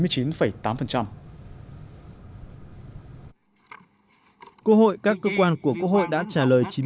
các cơ quan của quốc hội đã trả lời